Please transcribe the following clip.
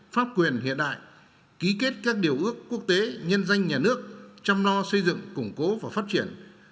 pháp quyền hiện đại ký kết các điều ước quốc tế nhân danh nhà nước chăm lo xây dựng củng cố và phát triển